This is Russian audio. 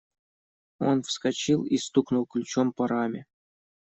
Он вскочил и стукнул ключом по раме.